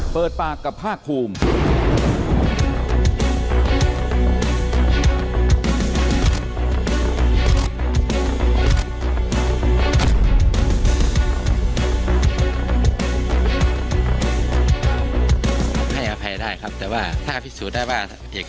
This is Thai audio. เปิดปากกับภาคภูมิ